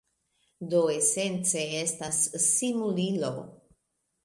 Do esence estas simulilo.